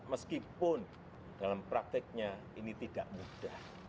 meskipun dalam prakteknya ini tidak mudah